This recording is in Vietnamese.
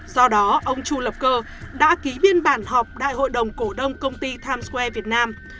do đó ông chu lập cơ đã ký biên bản họp đại hội đồng cổ đông công ty times square việt nam